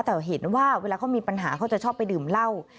แต่เห็นว่าเวลาเขามีปัญหาเขาจะชอบไปดื่มเหล้า